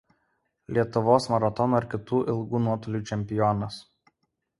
Lietuvos maratono ir kitų ilgų nuotolių čempionas.